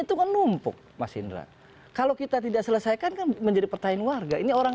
itu kan numpuk mas indra kalau kita tidak selesaikan kan menjadi pertanyaan warga ini orang